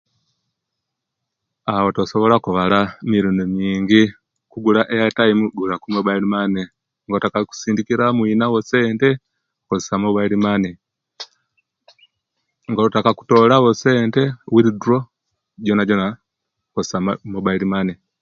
Awo tosobola okubala emmirundi mingi Airtime ogula kumobile money nga otaka kusindikira omwinawo osente okozesya mobile money, nga otaka kutolawo sente withdraw jona jona okozesya mobile money